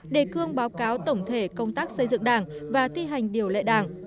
đề cương báo cáo tổng thể công tác xây dựng đảng và thi hành điều lệ đảng